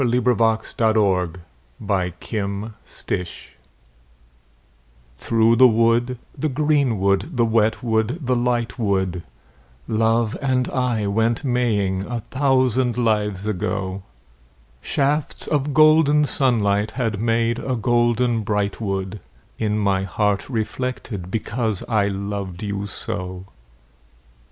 ROSEMARY 51 THROUGH THE WOOD THKOUGH the wood, the green wood, the wet wood, the light wood, Love and I went maying a thousand lives ago ; Shafts of golden sunlight had made a golden bright wood In my heart reflected, because I loved you so.